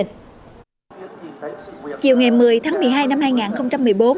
chiều ngày một mươi tháng một mươi hai năm hai nghìn một mươi bốn